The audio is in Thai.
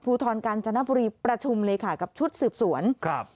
ภูทรกาญจนบุรีประชุมเลยค่ะกับชุดสืบสวนครับ